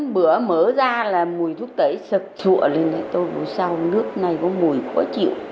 bữa mở ra là mùi thuốc tẩy sập sụa lên tôi buổi sau nước này có mùi khó chịu